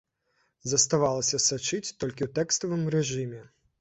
Заставалася сачыць толькі ў тэкставым рэжыме.